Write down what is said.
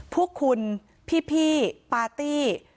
พวกคุณพี่ปาร์ตี้